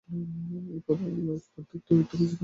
ঐ প্রত্যেকটি উত্তরই যে ভ্রমপূর্ণ, তাহা নহে।